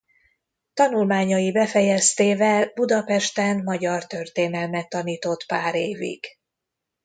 Tanulmányai befejeztével Budapesten magyar–történelmet tanított pár évig.